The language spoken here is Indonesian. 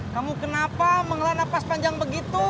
kamu kenapa mengelana pas panjang begitu